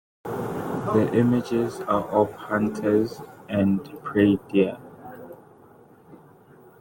The images are of hunters and prey deer.